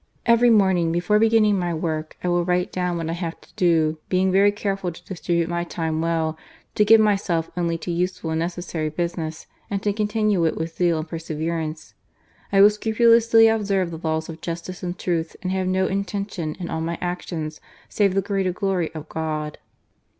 " Every morning, before beginning my work, 1 will write down what I have to do, being very careful to distribute my time well, to give myself only to useful and necessary business and to con tinue it with zeal and perseverance. I will scrupulously observe the laws of justice and truth, and have no intention in all my actions save the greater glory of God.